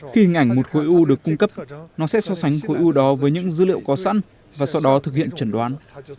khi hình ảnh một khối u được cung cấp nó sẽ so sánh khối u đó với những dữ liệu có sẵn và sau đó thực hiện chẩn đoán